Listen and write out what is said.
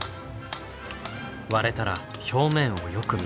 割れたら表面をよく見る。